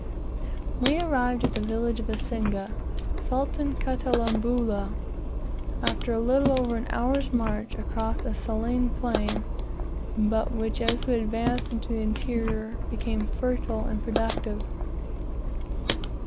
We arrived at the village of Isinga, Sultan Katalambula, after a little over an hour's march across a saline plain, but which as we advanced into the interior became fertile and productive.